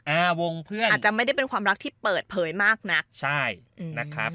อ่าวงเพื่อนอาจจะไม่ได้เป็นความรักที่เปิดเผยมากนักใช่นะครับ